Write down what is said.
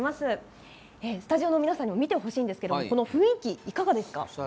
スタジオの皆さんにも見てほしいんですが雰囲気いかがですか？